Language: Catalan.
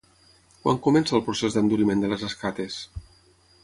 Quan comença el procés d'enduriment de les escates?